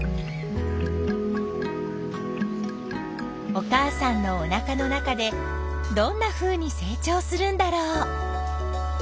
お母さんのおなかの中でどんなふうに成長するんだろう。